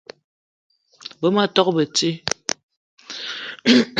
Ve ma tok beti